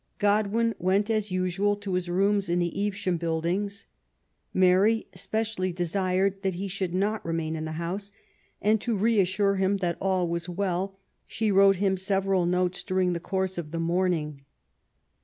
Godwin went, as usual, to his rooms in the Evesham Buildings. Mary specially desired that he should not remain in the house^ and, to reassure him that all was well, she wrote him several notes during the course of the morning.